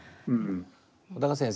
小鷹先生